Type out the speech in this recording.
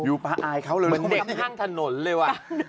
พาอายเขาเลยเหมือนเด็กข้างถนนเลยว่ะ